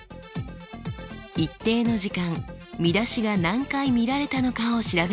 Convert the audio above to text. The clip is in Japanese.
一定の時間見出しが何回見られたのかを調べます。